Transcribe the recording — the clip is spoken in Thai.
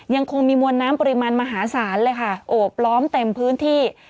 ยังคงมีมวลน้ำปริมาณมหาศาลเลยค่ะโอบล้อมเต็มพื้นที่